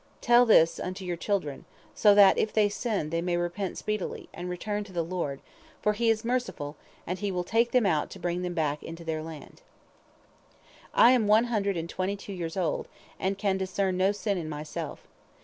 Tell this unto your children, so that, if they sin, they may repent speedily, and return to the Lord, for He is merciful, and He will take them out to bring them back unto their land. "I am one hundred and twenty two years old, and I can discern no sin in myself.